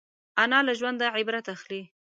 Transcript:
انا له ژونده عبرت اخلي